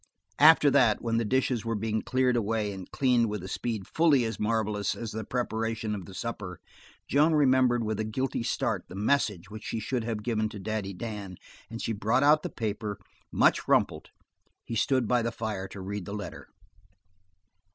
After that, when the dishes were being cleared away and cleaned with a speed fully as marvelous as the preparation of the supper, Joan remembered with a guilty start the message which she should have given to Daddy Dan, and she brought out the paper, much rumpled. He stood by the fire to read the letter.